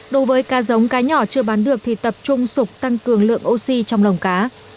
đối với cá giống cá nhỏ chưa bán được thì tập trung sụp tăng cường lượng oxy trong lồng cá